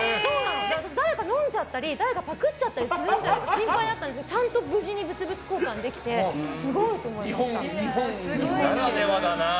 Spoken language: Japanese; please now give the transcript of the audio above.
私、誰か飲んじゃったり誰かパクっちゃったりするんじゃないかって心配だったんですけどちゃんと無事に物々交換できて日本ならではだな。